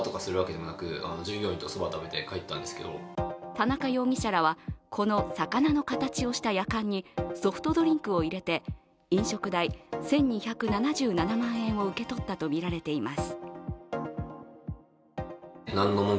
田中容疑者らは、この魚の形をしたやかんにソフトドリンクを入れて飲食代１２７７万円を受け取ったとみられています